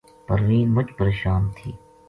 پروین مچ پریشان تھی